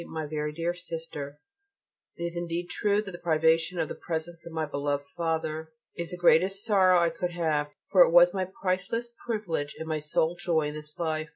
MY VERY DEAR SISTER, It is indeed true that the privation of the presence of my beloved Father is the greatest sorrow I could have: for it was my priceless privilege and my sole joy in this life.